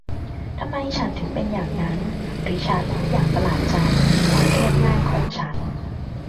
ทำไมฉันถึงเป็นอย่างนั้นริชาร์ดพูดอย่างประหลาดใจที่ความเรียบง่ายของฉัน